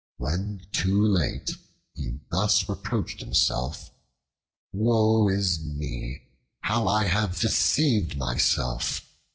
When too late, he thus reproached himself: "Woe is me! How I have deceived myself!